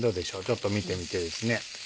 ちょっと見てみてですね。